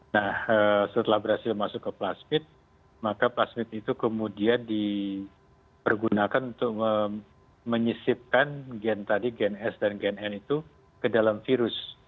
nah setelah berhasil masuk ke plasmid maka plasmid itu kemudian dipergunakan untuk menyisipkan gen tadi gen s dan gen n itu ke dalam virus